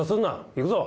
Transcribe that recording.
行くぞ。